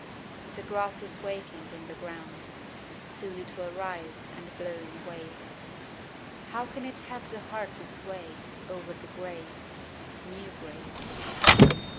The grass is waking in the ground, Soon it will rise and blow in waves How can it have the heart to sway Over the graves, New graves?